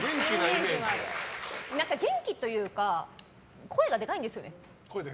元気というか声がでかいんですよね。